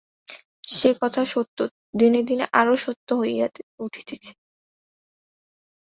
সে-কথা সত্য, দিনে দিনে আরও সত্য হইয়া উঠিতেছে।